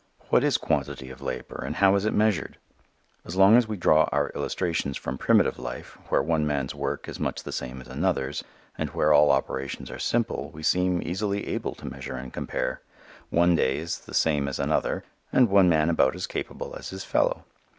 What is quantity of labor and how is it measured? As long as we draw our illustrations from primitive life where one man's work is much the same as another's and where all operations are simple, we seem easily able to measure and compare. One day is the same as another and one man about as capable as his fellow.